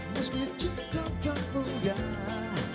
meski cinta tak mudah